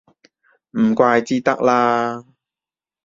唔怪之得啦